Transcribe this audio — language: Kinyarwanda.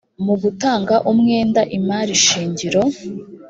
mu gutanga umwenda imari shingiro